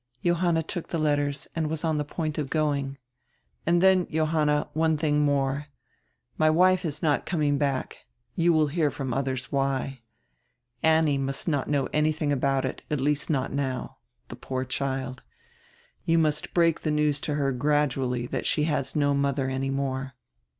Johanna took die letters and was on die point of going. "And then, Johanna, one diing more. My wife is not coming back. You will hear from others why. Annie must not know anydiing about it, at least not now. The poor child. You must break die news to her gradually diat she has no mother any more.